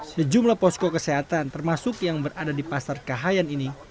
sejumlah posko kesehatan termasuk yang berada di pasar kahayan ini